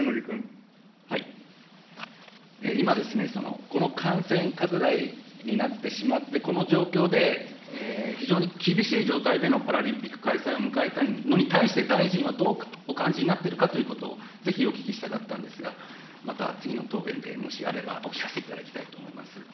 今、この感染拡大になってしまって、この状況で、非常に厳しい状態でのパラリンピック開催を迎えたのに対して、大臣はどうお感じになっているかということをぜひお聞きしたかったんですが、また次の答弁でもしあれば、お聞かせいただきたいと思います。